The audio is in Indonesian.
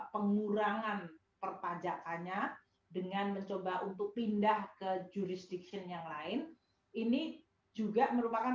pengurangan perpajakannya dengan mencoba untuk pindah ke jurisdiksi yang lain ini juga merupakan